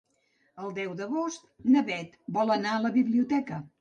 El deu d'agost na Beth vol anar a la biblioteca.